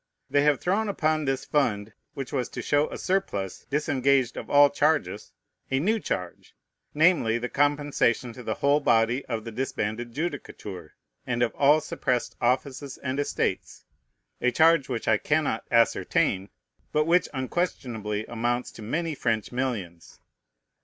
They have thrown upon this fund, which was to show a surplus disengaged of all charges, a new charge, namely, the compensation to the whole body of the disbanded judicature, and of all suppressed offices and estates: a charge which I cannot ascertain, but which unquestionably amounts to many French millions.